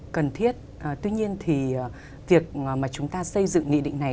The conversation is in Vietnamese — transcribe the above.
cần thiết tuy nhiên thì việc mà chúng ta xây dựng nghị định này